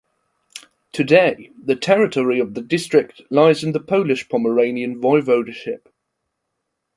Today the territory of the district lies in the Polish Pomeranian Voivodeship.